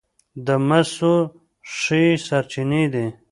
د مسو ښې سرچینې دي.